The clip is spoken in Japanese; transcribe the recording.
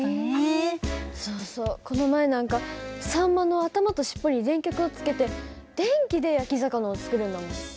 そうそうこの前なんかサンマの頭と尻尾に電極をつけて電気で焼き魚を作るんだもん。